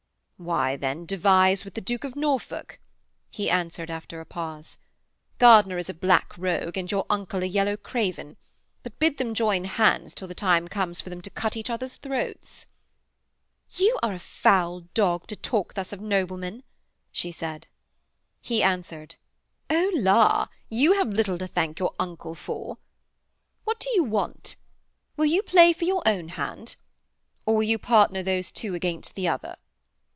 'Why, then, devise with the Duke of Norfolk,' he answered after a pause. 'Gardiner is a black rogue and your uncle a yellow craven; but bid them join hands till the time comes for them to cut each other's throats.' 'You are a foul dog to talk thus of noblemen,' she said. He answered: 'Oh, la! You have little to thank your uncle for. What do you want? Will you play for your own hand? Or will you partner those two against the other?'